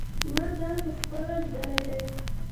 ما دا په خپله لیدلی دی.